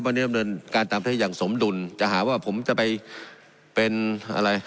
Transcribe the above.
วันนี้ดำเนินการตามประเทศอย่างสมดุลจะหาว่าผมจะไปเป็นอะไร